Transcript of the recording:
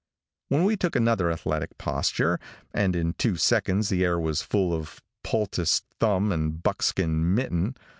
We then took another athletic posture, and in two seconds the air was full of poulticed thumb and buckskin mitten.